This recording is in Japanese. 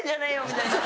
みたいな。